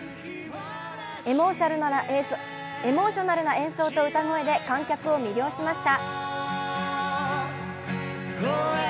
エモーショナルな演奏と歌声で観客を魅了しました。